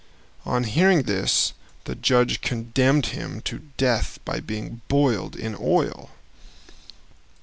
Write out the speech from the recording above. On hearing this the judge condemned him to death by being boiled in oil.